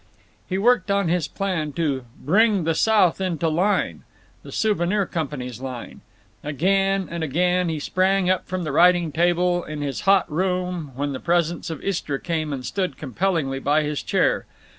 He worked on his plan to "bring the South into line"—the Souvenir Company's line. Again and again he sprang up from the writing table in his hot room when the presence of Istra came and stood compellingly by his chair.